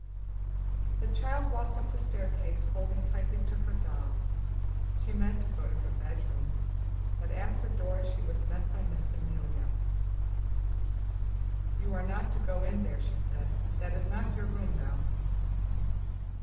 The child walked up the staircase, holding tightly to her doll; she meant to go to her bedroom, but at the door she was met by Miss Amelia. "You are not to go in there," she said. "That is not your room now."